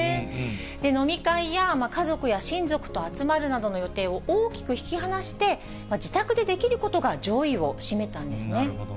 飲み会や家族や親族と集まるなどの予定を大きく引き離して、自宅で出来ることが上位を占めたんですね。